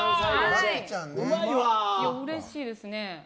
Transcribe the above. うれしいですね。